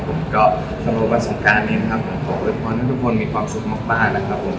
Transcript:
ผมก็สนุกวันสงกรานนี้นะครับผมขออืดพรนะทุกคนมีความสุขมากนะครับผม